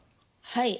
はい。